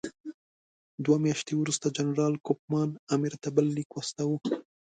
دوه میاشتې وروسته جنرال کوفمان امیر ته بل لیک واستاوه.